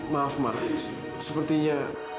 maaf ma sepertinya